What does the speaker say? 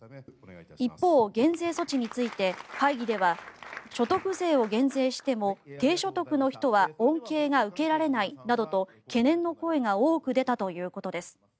一方、減税措置について会議では所得税を減税しても低所得の人は恩恵が受けられないなどと懸念の声が多く出たということです。